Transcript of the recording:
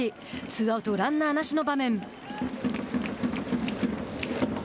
ツーアウト、ランナーなしの場面。